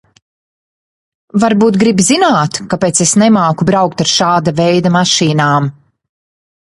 Varbūt gribi zināt, kāpēc es nemāku braukt ar šāda veida mašīnām?